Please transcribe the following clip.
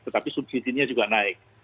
tetapi subsidinya juga naik